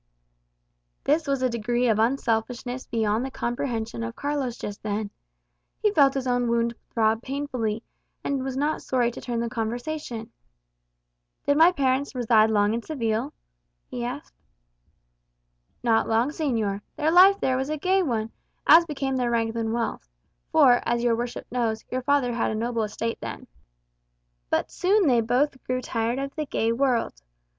This was a degree of unselfishness beyond the comprehension of Carlos just then. He felt his own wound throb painfully, and was not sorry to turn the conversation. "Did my parents reside long in Seville?" he asked. "Not long, señor. Their life there was a gay one, as became their rank and wealth (for, as your worship knows, your father had a noble estate then). But soon they both grew tired of the gay world.